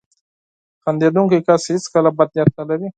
• خندېدونکی کس هیڅکله بد نیت نه لري.